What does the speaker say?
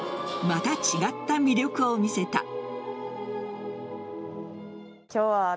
また違った魅力を見せた。